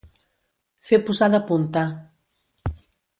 Fer posar de punta.